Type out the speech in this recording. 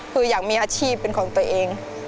คืออยากมีอาชีพเป็นของตัวเอง